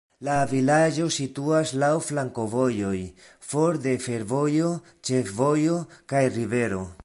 La vilaĝo situas laŭ flankovojoj, for de fervojo, ĉefvojo kaj rivero.